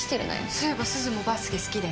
そういえばすずもバスケ好きだよね？